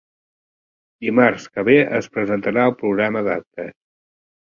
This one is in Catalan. Dimarts que ve es presentarà el programa d'actes.